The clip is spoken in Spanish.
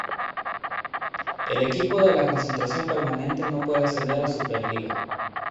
El equipo de la concentración permanente no puede ascender a Superliga.